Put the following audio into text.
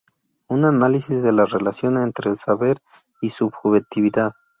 Un análisis de la relación entre saber y subjetividad.